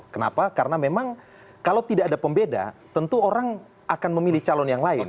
kenapa karena memang kalau tidak ada pembeda tentu orang akan memilih calon yang lain